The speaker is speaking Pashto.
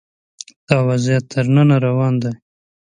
دا وضعیت تر ننه روان دی